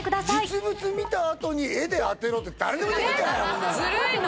実物見たあとに絵で当てろって誰でもできるじゃないこんなの。